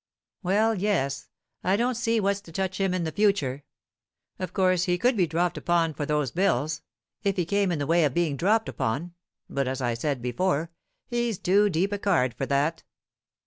"Well, yes; I don't see what's to touch him in the future. Of course he could be dropped upon for those bills, if he came in the way of being dropped upon; but, as I said before, he's too deep a card for that."